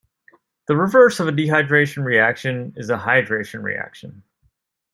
The reverse of a dehydration reaction is a hydration reaction.